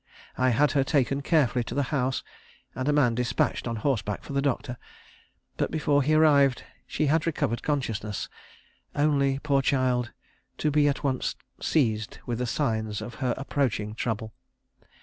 I had her taken carefully to the house, and a man despatched on horseback for the doctor; but before he arrived she had recovered consciousness, only, poor child, to be at once seized with the signs of her approaching trouble.